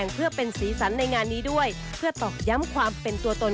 เพื่อตกย้ำความเป็นตัวตน